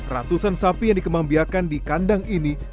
ratusan sapi yang dikembangbiakan di kandang ini